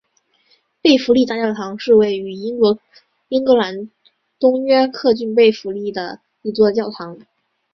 贝弗利大教堂是位于英国英格兰东约克郡贝弗利的一座教堂。